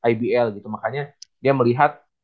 ibl gitu makanya dia melihat